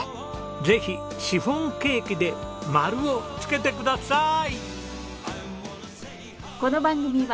ぜひシフォンケーキで「まる」をつけてくださーい！